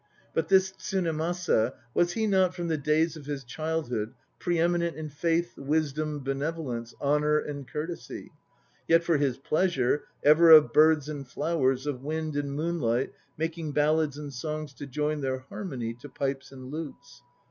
* But this Tsunemasa, Was he not from the days of his childhood pre eminent In faith, wisdom, benevolence, Honour and courtesy; yet for his pleasure Ever of birds and flowers, Of wind and moonlight making Ballads and songs to join their harmony To pipes and lutes?